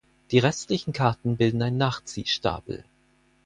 Die restlichen Karten bilden einen Nachziehstapel.